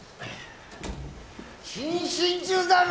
謹慎中だろ！